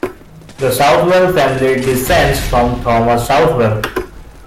The Southwell family descends from Thomas Southwell.